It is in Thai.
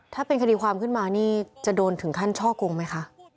ถ้าเป็นคดีความขึ้นมานี่จะโดนถึงขั้นช่อกงไหมคะ